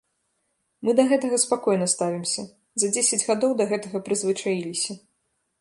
Мы да гэтага спакойна ставімся, за дзесяць гадоў да гэтага прызвычаіліся.